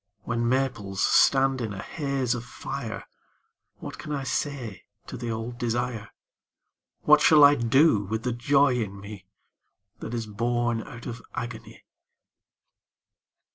When maples stand in a haze of fire What can I say to the old desire, What shall I do with the joy in me That is born out of agony?